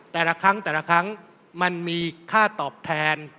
แต่ละครั้งมันมีค่าตอบแทน